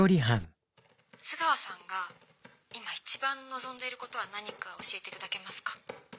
「須川さんが今一番望んでいることは何か教えて頂けますか？」。